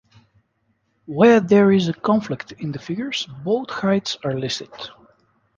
Where there is a conflict in the figures both heights are listed.